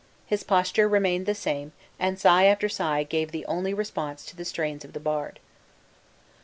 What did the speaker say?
His posture remained the same; and sigh after sigh gave the only response to the strains of the bard.